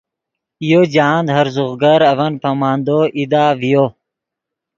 یو جاہند ہرزوغ گر اڤن پامندو ایدا ڤیو